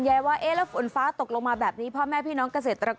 ใยว่าเอ่ระฝนฟ้าตกลงมาแบบนี้พ่อแม่พี่น้อง